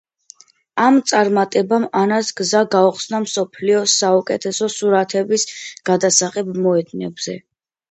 ამ წარმატებამ ანას გზა გაუხსნა მსოფლიოს საუკეთესო სურათების გადასაღებ მოედნებზე.